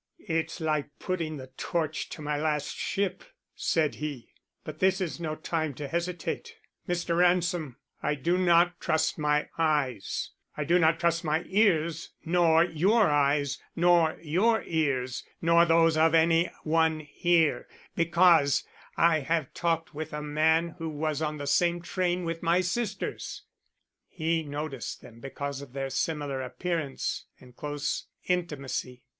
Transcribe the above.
"It's like putting the torch to my last ship," said he; "but this is no time to hesitate. Mr. Ransom, I do not trust my eyes, I do not trust my ears, nor your eyes, nor your ears, nor those of any one here, because I have talked with a man who was on the same train with my sisters. He noticed them because of their similar appearance and close intimacy.